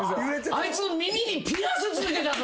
あいつ耳にピアスつけてたぞ。